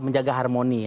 menjaga harmoni ya